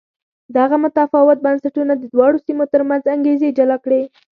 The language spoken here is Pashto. دغه متفاوت بنسټونه د دواړو سیمو ترمنځ انګېزې جلا کړې.